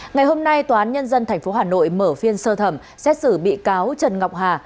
ngày hôm nay tòa án nhân dân tp hà nội mở phiên sơ thẩm xét xử bị cáo trần ngọc hà